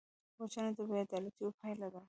وژنه د بېعدالتیو پایله ده